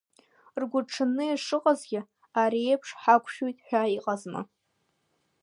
Ргәырҽанны ишыҟазгьы, ари еиԥш ҳақәшәоит ҳәа иҟазма.